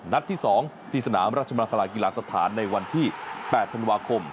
ที่๒ที่สนามราชมังคลากีฬาสถานในวันที่๘ธันวาคม